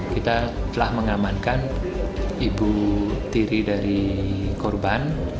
kita telah mengamankan ibu tiri dari korban